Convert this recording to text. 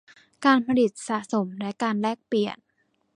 การผลิต สะสม และการแลกเปลี่ยน